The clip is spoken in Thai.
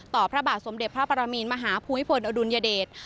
ต่อพระบาทสมเด็จพระประมีนมหาภูเบียบพลอดุลยเดช